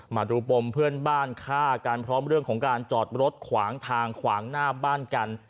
มาดูปมเพื่อนบ้านฆ่ากันพร้อมเรื่องของการจอดรถขวางทางขวางหน้าบ้านกัน